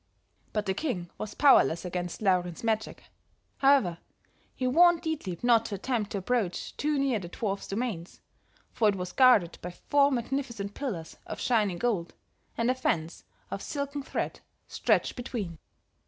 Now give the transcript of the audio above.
But the king was powerless against Laurin's magic; however, he warned Dietlieb not to attempt to approach too near the dwarf's domains, for it was guarded by four magnificent pillars of shining gold, and a fence of silken thread stretched between.